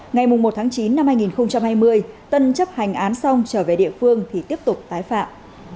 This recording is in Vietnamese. ngày một tháng chín năm hai nghìn hai mươi tân chấp hành án xong trở về địa phương thì tiếp tục tái phạm